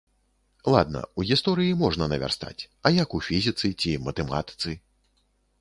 Ладна, у гісторыі можна навярстаць, а як у фізіцы ці матэматыцы?